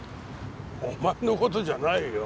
お前の事じゃないよ。